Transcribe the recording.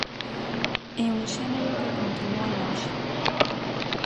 É un xénero que continúa en auxe.